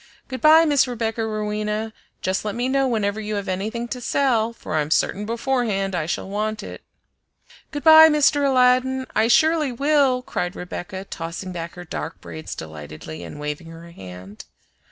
Good by Miss Rebecca Rowena! Just let me know whenever you have anything to sell, for I'm certain beforehand I shall want it." "Good by, Mr. Aladdin! I surely will!" cried Rebecca, tossing back her dark braids delightedly and waving her hand.